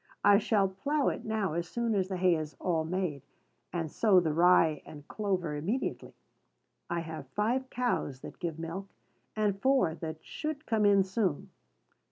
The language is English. I shall plough it now as soon as the hay is all made, and sow the rye and clover immediately. I have five cows that give milk, and four that should come in soon.